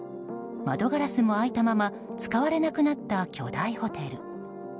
窓ガラスも開いたまま使われなくなった巨大ホテル。